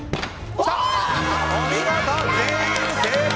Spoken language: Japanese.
お見事、全員成功！